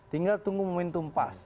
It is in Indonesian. tinggal tunggu momentum pas